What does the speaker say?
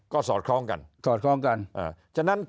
ก็สอดคล้องกัน